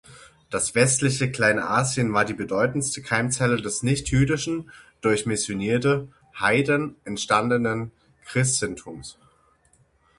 Das westliche Kleinasien war die bedeutendste Keimzelle des nichtjüdischen, durch missionierte „Heiden“ entstandenen Christentums.